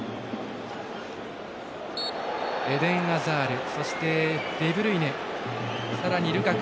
エデン・アザールそしてデブルイネさらにルカク。